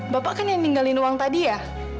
bapak kan yang ninggalin uang tadi ya